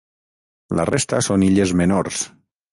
La resta són illes menors.